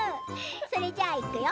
それじゃあ、いくよ。